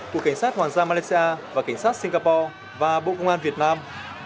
của cảnh sát hoàng gia malaysia và cảnh sát singapore và bộ công an việt nam